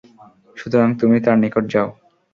সুতরাং তুমি তার নিকট যাও।